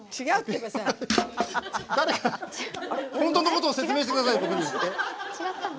誰か本当のことを説明してください、僕に！